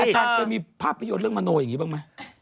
อาจารย์จะมีภาพประโยชน์เรื่องมะโนอย่างนี้บ้างไหม